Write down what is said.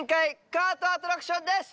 カートアトラクションです。